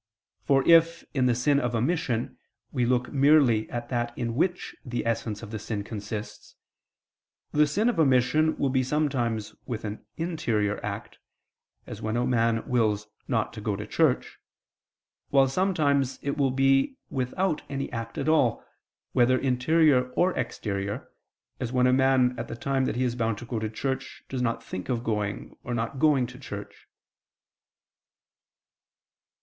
For if in the sin of omission we look merely at that in which the essence of the sin consists, the sin of omission will be sometimes with an interior act, as when a man wills not to go to church: while sometimes it will be without any act at all, whether interior or exterior, as when a man, at the time that he is bound to go to church, does not think of going or not going to church.